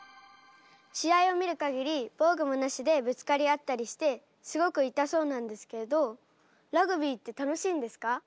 試合を見る限り防具もなしでぶつかり合ったりしてすごく痛そうなんですけどラグビーって楽しいんですか？